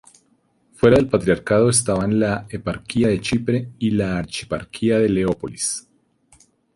Fuera del patriarcado estaban la eparquía de Chipre y la archieparquía de Leópolis.